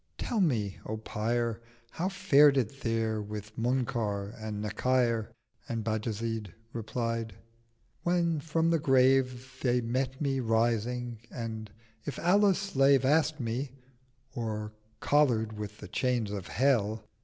Tell me O Pyr, How fared it there with Munkar and Nakyr?' And Bajazyd replied, 'When from the Grave They met me rising, and "If Allah's slave" Ask'd me, "or collar'd with the Chain of Hell?"